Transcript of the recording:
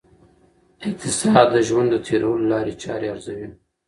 اقتصاد د ژوند د تېرولو لاري چاري ارزوي.